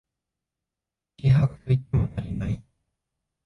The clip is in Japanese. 軽薄と言っても足りない